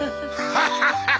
ハハハッ！